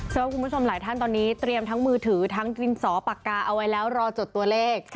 ว่าคุณผู้ชมหลายท่านตอนนี้เตรียมทั้งมือถือทั้งดินสอปากกาเอาไว้แล้วรอจดตัวเลข